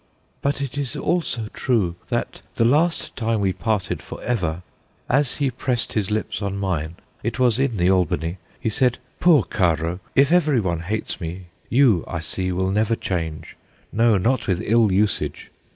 'But it is also true, that, the last time we parted for ever, as he pressed his lips on mine (it was in the Albany), he said, " Poor Caro, if every one hates me, you, I see, will never change no, not with ill usage